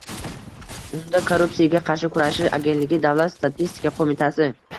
Unda Korrupsiyaga qarshi kurashish agentligi, Davlat statistika qo‘mitasi